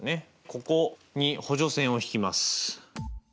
ここに補助線を引きます。